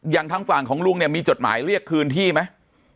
ทางฝั่งของลุงเนี่ยมีจดหมายเรียกคืนที่ไหม